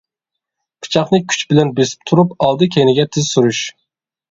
پىچاقنى كۈچ بىلەن بېسىپ تۇرۇپ ئالدى-كەينىگە تىز سۈرۈش.